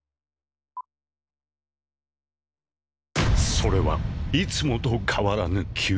それはいつもとかわらぬきゅう